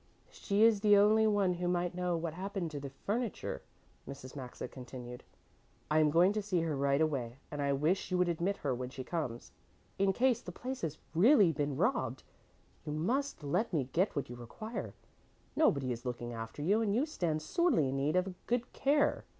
"She is the only one who might know what happened to the furniture," Mrs. Maxa continued. "I am going to see her right away, and I wish you would admit her when she comes. In case the place has really been robbed, you must let me get what you require. Nobody is looking after you and you stand sorely in need of good care.